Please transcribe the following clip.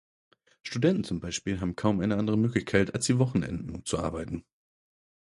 Studenten zum Beispiel haben kaum eine andere Möglichkeit als die Wochenenden, um zu arbeiten.